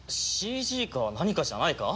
ＣＧか何かじゃないか？